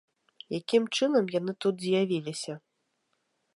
Якім чынам яны тут з'явіліся?